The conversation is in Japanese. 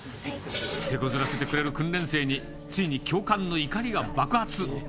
てこずらせてくれる訓練生に、ついに教官の怒りが爆発。